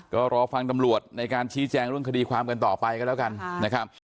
ก็รอฟังตำรวจในการชี้แจงเรื่องคดีความกันต่อไปกันแล้วกันนะครับ